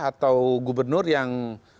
atau gubernur yang